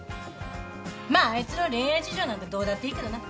まああいつの恋愛事情なんてどうだっていいけどな。